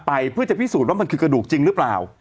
เพื่อจะพิสูจน์ว่ามันคือกระดูกจริงหรือเปล่า